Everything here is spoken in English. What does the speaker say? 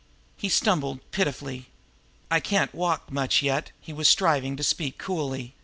He stumbled pitifully. "I can't walk much yet." He was striving to speak coolly.